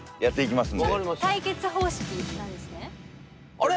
あれ！